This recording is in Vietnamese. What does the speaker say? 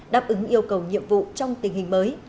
đáp ứng yêu cầu nhiệm vụ trong tình hình mới